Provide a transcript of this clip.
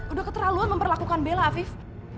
udah keterlaluan memperlakukan bela afif